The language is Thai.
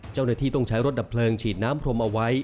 เจ้าหน้าที่ต้องใช้รถดับเพลิงฉีดน้ำพรมเอาไว้